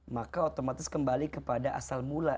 maka otomatis kembali kepada asal mula